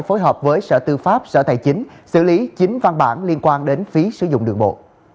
phối hợp với sở tư pháp sở tài chính xử lý chín văn bản liên quan đến phí sử dụng đường bộ